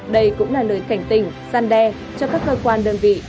đây cũng là lời cảnh tình gian đe cho các cơ quan đơn vị